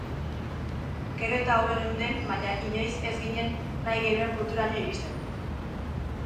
Gero eta hobe geunden baina inoiz ez ginen nahi genuen punturaino iristen.